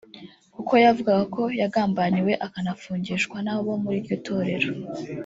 kuko yavugaga ko yagambaniwe akanafungishwa n’abo muri iryo torero